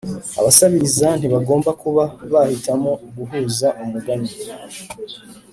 abasabiriza ntibagomba kuba abahitamo guhuza umugani